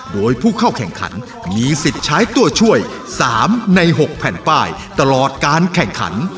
โดยผู้เข้าแข่งขันมีสิทธิ์ใช้ตัวช่วย๓ใน๖แผ่นป้ายตลอดการแข่งขัน